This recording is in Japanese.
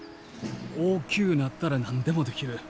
大きゅうなったら何でもできる。